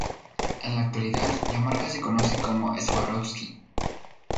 En la actualidad, la marca se conoce como Swarovski.